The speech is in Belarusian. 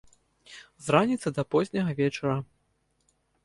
З раніцы да позняга вечара.